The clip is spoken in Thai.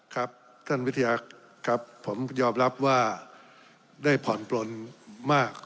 ครับท่านวิทยาครับผมยอมรับว่าได้ผ่อนปลนมาก